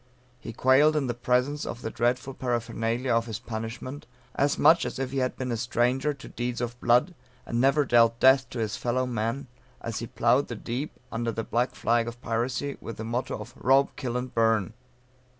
He quailed in the presence of the dreadful paraphernalia of his punishment, as much as if he had been a stranger to deeds of blood, and never dealt death to his fellow man as he ploughed the deep, under the black flag of piracy, with the motto of "Rob, Kill, and Burn."